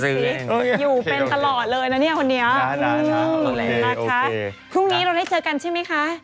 เราบอกว่าดำมา